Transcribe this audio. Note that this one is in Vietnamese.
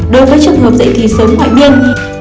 đối với trường hợp dạy thi sớm ngoại biên